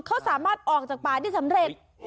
เขาสามารถออกจากป่าได้สำเร็จ